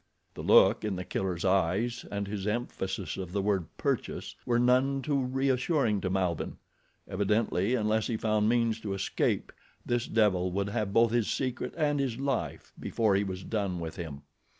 The look in the Killer's eyes and his emphasis of the word "purchase" were none too reassuring to Malbihn. Evidently, unless he found means to escape, this devil would have both his secret and his life before he was done with him.